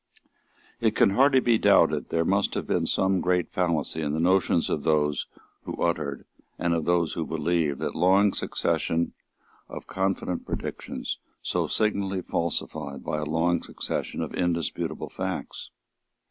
It can hardly be doubted that there must have been some great fallacy in the notions of those who uttered and of those who believed that long succession of confident predictions, so signally falsified by a long succession of indisputable facts.